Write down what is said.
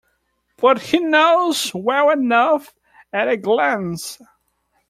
But he knows well enough at a glance.